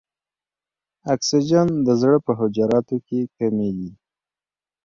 اکسیجن د زړه په حجراتو کې کمیږي.